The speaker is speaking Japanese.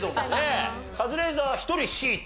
カズレーザーは１人Ｃと。